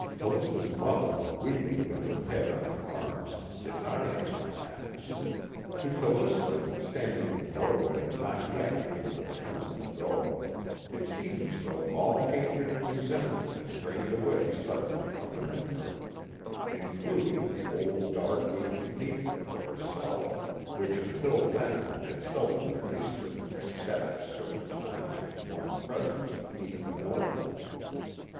Callista's mother, weeping with her head on her arms, did not answer that. To Callista, standing in the doorway not yet able to turn and go, it seemed as though all hatred and resentment had drained away suddenly from within her; including the old dark aching hatred for herself, which until then had seldom released her except at certain times in the warm presence of Edith Nolan.